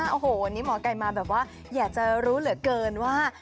โอ้โหวันนี้หมอไก่มาแบบว่าอยากจะรู้เหลือเกินว่า